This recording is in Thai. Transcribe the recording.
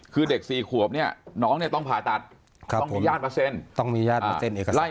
คือเด็กสี่ควบน้องต้องผ่าจัดต้องมีญาติมัตเซ็นเอสัน